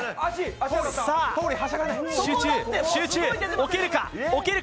さあ、集中、置けるか？